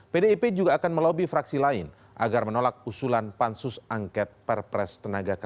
pdip juga akan melobi fraksi lain agar menolak usulan pansus angket perpres tenaga kerja